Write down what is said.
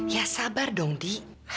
ya sabar dong di